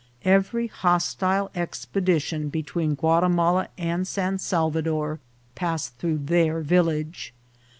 Every hostile expedition between Guatimala and San Salvador passed through their vil lage.